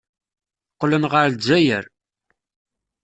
Qqlen ɣer Lezzayer.